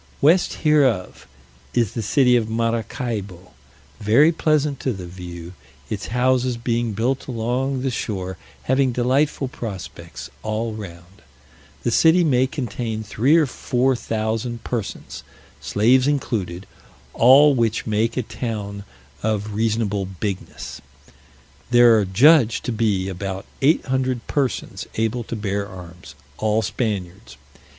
West hereof is the city of Maracaibo, very pleasant to the view, its houses being built along the shore, having delightful prospects all round: the city may contain three or four thousand persons, slaves included, all which make a town of reasonable bigness. There are judged to be about eight hundred persons able to bear arms, all Spaniards.